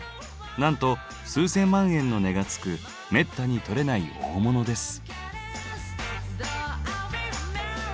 なんと数千万円の値がつくめったに採れない大物です。